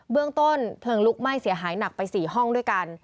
เรื่องต้นเพลิงลุกไหม้เสียหายหนักไป๔ห้องด้วยกัน